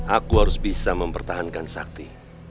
aku harus bisa mempertahankan sakti